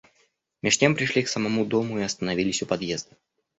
Меж тем пришли к самому дому и остановились у подъезда.